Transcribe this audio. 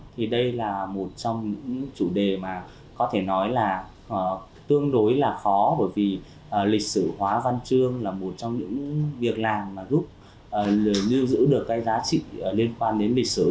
thì đây là một trong những chủ đề mà có thể nói là tương đối là khó bởi vì lịch sử hóa văn chương là một trong những việc làm mà giúp lưu giữ được cái giá trị liên quan đến lịch sử